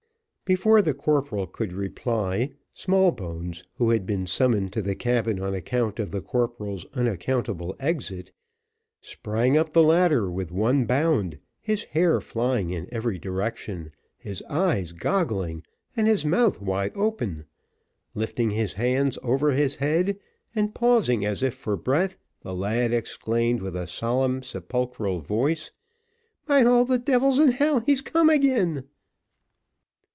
Before the corporal could reply, Smallbones, who had been summoned to the cabin on account of the corporal's unaccountable exit, sprang up the ladder with one bound, his hair flying in every direction, his eyes goggling, and his mouth wide open: lifting his hands over his head, and pausing as if for breath, the lad exclaimed with a solemn sepulchral voice, "By all the devils in hell he's come again!"